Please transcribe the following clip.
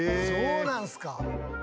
そうなんすか！